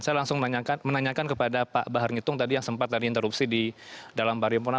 saya langsung menanyakan kepada pak bahar ngitung tadi yang sempat tadi interupsi di dalam paripurna